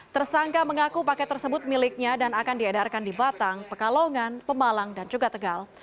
tersangka mengaku paket tersebut miliknya dan akan diedarkan di batang pekalongan pemalang dan juga tegal